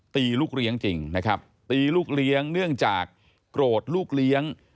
ตีลูกเลี้ยงจริงนะครับตีลูกเลี้ยงเนื่องจากโกรธลูกเลี้ยง